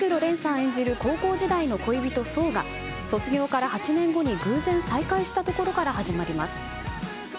演じる高校時代の恋人、想が卒業から８年後に偶然再会したところから始まります。